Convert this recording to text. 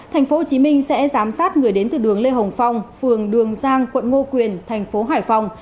tp hcm sẽ giám sát người đến từ đường lê hồng phong phường đường giang quận ngô quyền thành phố hải phòng